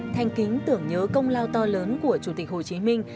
thanh kính tưởng nhớ công lao to lớn của chủ tịch hồ chí minh